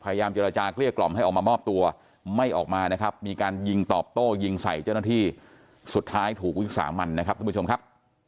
พยายามเจรจาเกลี้ยกล่อมให้ออกมามอบตัวไม่ออกมานะครับมีการยิงตอบโต้ยิงใส่เจ้าหน้าที่สุดท้ายถูกวิสามันนะครับท่านผู้ชมครับ